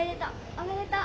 おめでとう。